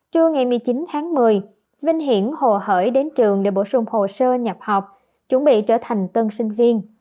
trưa ngày một mươi chín tháng một mươi vinh hiển hồ hởi đến trường để bổ sung hồ sơ nhập học chuẩn bị trở thành tân sinh viên